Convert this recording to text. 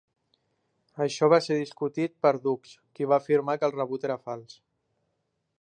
Això va ser discutit per Dux, qui va afirmar que el rebut era fals.